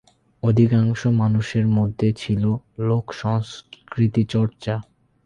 অধিকাংশ মানুষের মধ্যে ছিল লোক সংস্কৃতিরচর্চা।